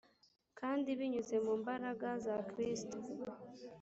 kandi binyuze mu mbaraga za kristo,